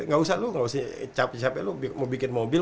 gak usah lo mau bikin mobil